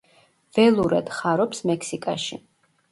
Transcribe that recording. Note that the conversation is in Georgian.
ველურად ხარობს მექსიკაში.